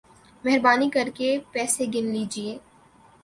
مہربانی کر کے پیسے گن لیجئے